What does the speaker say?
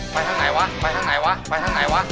ไปทางไหนวะ